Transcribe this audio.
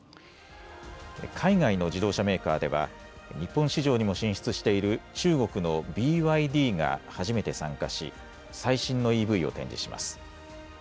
海外の自動車メーカーでは日本市場にも進出している中国のＢＹＤが初めて参加し最新のＥＶを展示します。